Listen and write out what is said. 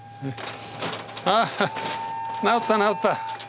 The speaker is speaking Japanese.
あ直った直った！